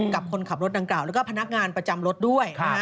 กับคนขับรถดังกล่าแล้วก็พนักงานประจำรถด้วย